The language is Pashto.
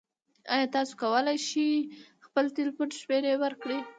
ایا تاسو کولی شئ خپل تلیفون شمیره ورکړئ؟